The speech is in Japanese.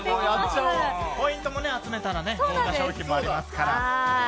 ポイントも集めたら豪華商品もありますから。